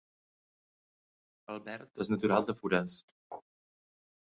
Albert és natural de Forès